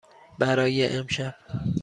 برای امشب.